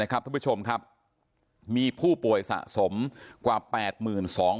นะครับทุกผู้ชมครับมีผู้ป่วยสะสมกว่าแปดหมื่นสอง